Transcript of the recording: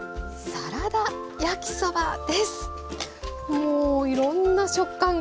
もういろんな食感がありそう。